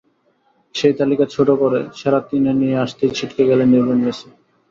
সেই তালিকাটা ছোট করে সেরা তিনে নিয়ে আসতেই ছিটকে গেলেন লিওনেল মেসি।